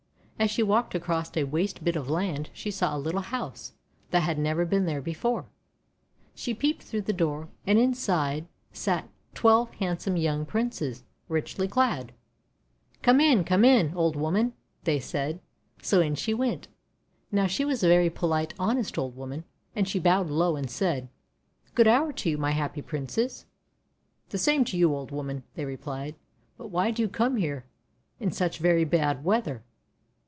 As she walked across a waste bit of land she saw a little house that had never been there before. She peeped through the door, and inside sat twelve handsome young Princes, richly clad. ' Come in ! Come in ! Old Woman !'' they said. So in she went. Now, she was a very polite, honest old woman, and she bowed low and said: — 'Good hour to you, my happy Princes!' 'The same to you, Old Woman," they replied. 'But why do you come here in such very bad weather?